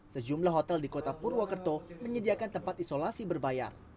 sejumlah hotel di kota purwokerto menyediakan tempat isolasi berbayar